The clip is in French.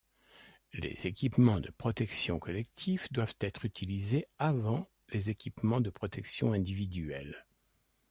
Les équipements de protection collectifs doivent être utilisés avant les équipements de protection individuelle.